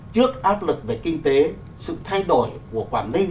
trước áp lực về kinh tế sự thay đổi của quản lý